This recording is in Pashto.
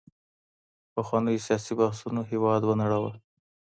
پخوانيو سياسي بحثونو هېواد ونړاوه.